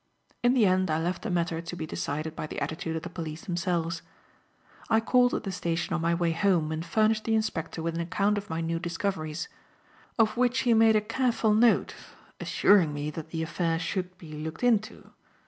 In the end I left the matter to be decided by the attitude of the police themselves. I called at the station on my way home and furnished the inspector with an account of my new discoveries; of which he made a careful note, assuring me that the affair should be looked into.